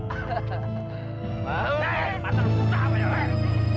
hei mata lu buka apa yang lu lakuin